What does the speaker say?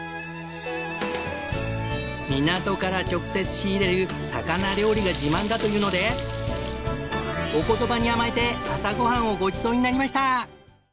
港から直接仕入れる魚料理が自慢だというのでお言葉に甘えて朝ごはんをごちそうになりました。